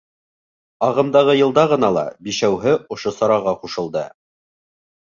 Ағымдағы йылда ғына ла бишәүһе ошо сараға ҡушылды.